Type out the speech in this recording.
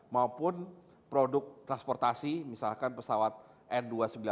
maupun produk transportasi misalkan pesawat n dua ratus sembilan puluh